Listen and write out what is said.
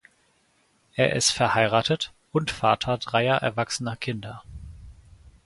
Er ist verheiratet und Vater dreier erwachsener Kinder.